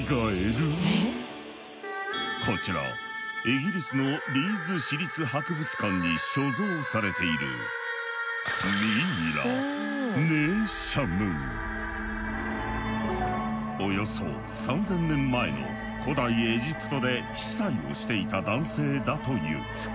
イギリスのリーズ市立博物館に所蔵されているおよそ３，０００年前の古代エジプトで司祭をしていた男性だという。